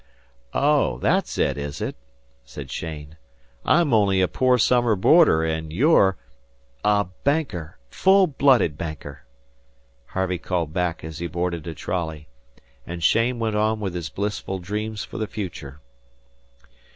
"Oh, that's it, is it," said Cheyne. "I'm only a poor summer boarder, and you're " "A Banker full blooded Banker," Harvey called back as he boarded a trolley, and Cheyne went on with his blissful dreams for the future.